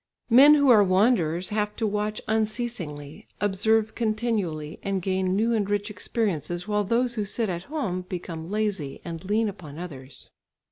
Men who are wanderers have to watch unceasingly, observe continually, and gain new and rich experiences, while those who sit at home become lazy and lean upon others.